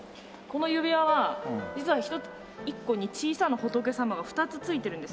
この指輪は実は一つ一個に小さな仏様が２つ付いているんですね。